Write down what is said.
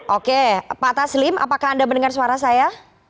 oke pak taslim apakah anda mendengar suara saya